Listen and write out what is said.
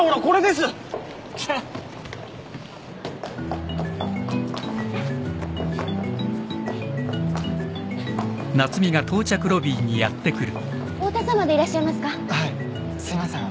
すいません